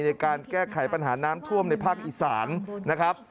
ในการแก้ไขปัญหาน้ำท่วมในภาคอีสานนะครับ